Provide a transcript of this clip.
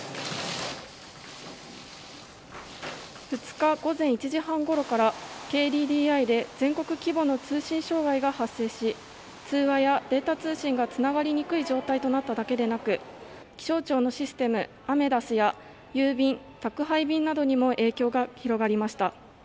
２日、午前１時半ごろからＫＤＤＩで全国規模の通信障害が発生し通話やデータ通信がつながりにくい状態となっただけでなく気象庁のシステム、アメダスや郵便、宅配便などにも影響が広がりました。